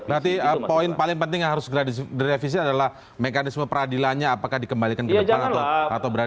oke nanti poin paling penting yang harus direvisi adalah mekanisme peradilannya apakah dikembalikan ke depan atau berada di belakang